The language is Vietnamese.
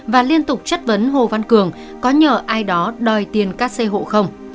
và liên tục chất vấn hồ văn cường có nhờ ai đó đòi tiền cắt xe hộ không